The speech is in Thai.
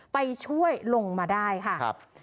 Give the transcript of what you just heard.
ไปช่วยลงมาได้ค่ะ